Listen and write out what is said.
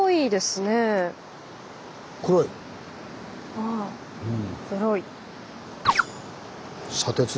ああ黒い。